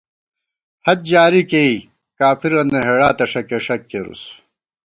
حد جاری کېئےکافِرَنہ ہېڑا تہ ݭَکېݭَک کېرُوس